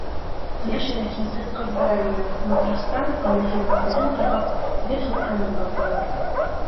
Ҡояш рәхимһеҙ ҡыҙҙыра ине, матростар, ауыр хеҙмәттәрен ҡарғап, гел һуҡранып барҙылар.